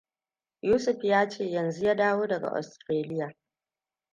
Yusuf ya ce yanzu ya dawo daga Ostiraliya.